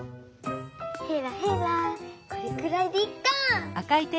へらへらこれくらいでいっか。